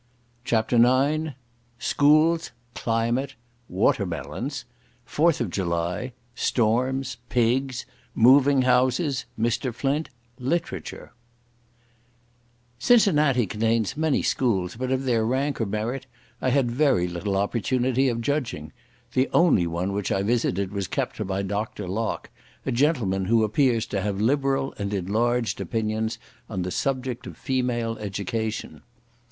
CHAPTER IX Schools—Climate—Water Melons—Fourth of July—Storms—Pigs—Moving Houses—Mr. Flint—Literature Cincinnati contains many schools, but of their rank or merit I had very little opportunity of judging; the only one which I visited was kept by Dr. Lock, a gentleman who appears to have liberal and enlarged opinions on the subject of female education.